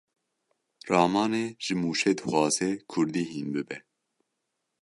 Ramanê ji Mûşê dixwaze kurdî hîn bibe.